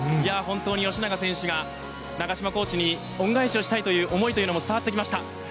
本当に吉永選手が長島コーチに恩返しをしたいという思いというのも伝わってきました。